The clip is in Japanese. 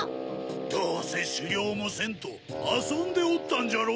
どうせしゅぎょうもせんとあそんでおったんじゃろう？